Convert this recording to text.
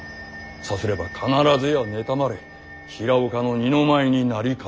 さすれば必ずや妬まれ平岡の二の舞になりかねぬ。